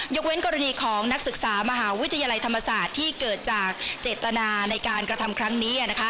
เว้นกรณีของนักศึกษามหาวิทยาลัยธรรมศาสตร์ที่เกิดจากเจตนาในการกระทำครั้งนี้